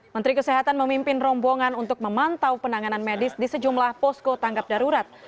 menteri kesehatan memimpin rombongan untuk memantau penanganan medis di sejumlah posko tanggap darurat